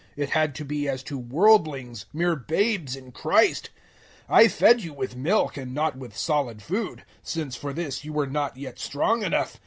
It had to be as to worldlings mere babes in Christ. 003:002 I fed you with milk and not with solid food, since for this you were not yet strong enough.